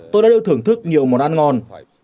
tôi đã được thưởng thức nhiều món ăn ngon